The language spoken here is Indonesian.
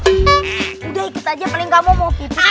udah ikut aja paling kamu mau gitu